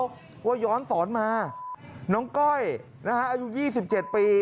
เพราะว่าย้อนสอนมาน้องก้อยนะฮะอายุ๒๗ปี